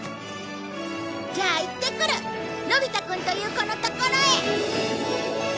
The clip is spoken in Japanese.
じゃあ行ってくるのび太くんという子のところへ！